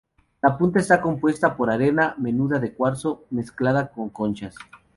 La punta está compuesta por arena menuda de cuarzo mezclada con conchas.